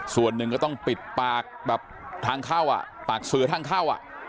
ส่วนหนึ่งก็ต้องปิดปากแบบทางเข้าปากเสือทางเข้า